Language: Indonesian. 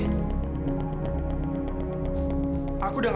ini tuh mik